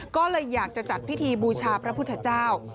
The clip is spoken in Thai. ก็เลยอยากจะจัดพิธีบูชาพระพุทธเจ้า